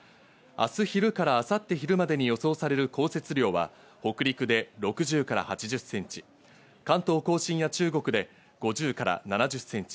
明日昼から明後日昼までに予想される降雪量は北陸で６０から８０ｃｍ、関東甲信や中国で５０から７０ｃｍ。